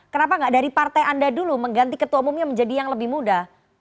kenapa nggak dari partai anda dulu mengganti ketua umumnya menjadi yang lebih muda